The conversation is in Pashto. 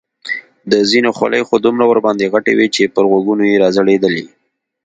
د ځینو خولۍ خو دومره ورباندې غټې وې چې پر غوږو یې را ځړېدلې.